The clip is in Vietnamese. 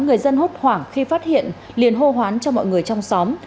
người dân hốt hoảng khi phát hiện liền hô hoán cho mọi người trong xóm